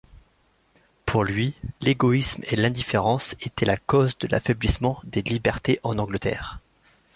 Pour lui, l'égoïsme et l'indifférence étaient la cause de l'affaiblissement des libertés en Angleterre.